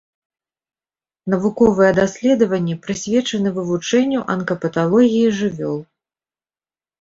Навуковыя даследаванні прысвечаны вывучэнню анкапаталогіі жывёл.